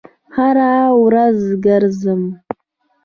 هره ورځ ګرځم